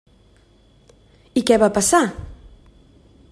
I què va passar?